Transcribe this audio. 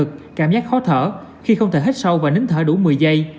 cảm giác khó thở khi không thể hít sâu và nếm thở đủ một mươi giây